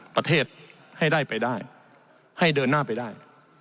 ประเทศให้ได้ไปได้ให้เดินหน้าไปได้